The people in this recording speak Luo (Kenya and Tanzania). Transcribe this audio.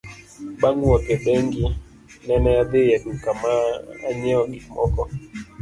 Bang' wuok e bengi, nene adhi e duka ma anyiewo gik moko.